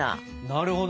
なるほどね。